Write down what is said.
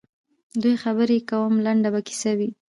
دوی خبري کوم لنډه به کیسه وي